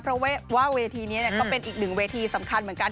เพราะว่าเวทีนี้ก็เป็นอีกหนึ่งเวทีสำคัญเหมือนกัน